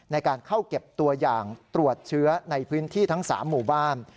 ในการเข้าเก็บตัวอย่างตรวจเชื้อในพื้นที่ทั้ง๓หมู่บ้าน